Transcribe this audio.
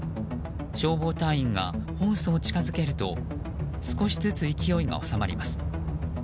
消防隊員がホースを近づけると少しずつ勢いが収まります。